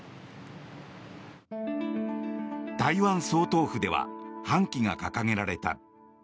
台湾総統府では半旗が掲げられた。